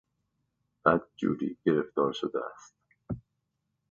بد جوری گرفتار شده است.